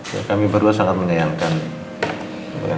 ya kami berdua sangat menyayangkan